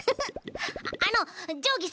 あのじょうぎさん！